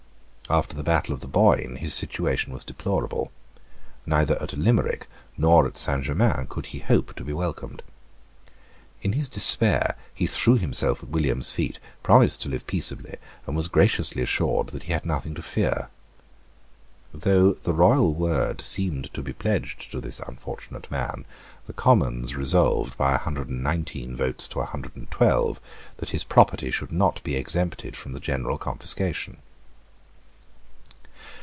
After the battle of the Boyne his situation was deplorable. Neither at Limerick nor at Saint Germains could he hope to be welcomed. In his despair, he threw himself at William's feet, promised to live peaceably, and was graciously assured that he had nothing to fear. Though the royal word seemed to be pledged to this unfortunate man, the Commons resolved, by a hundred and nineteen votes to a hundred and twelve, that his property should not be exempted from the general confiscation.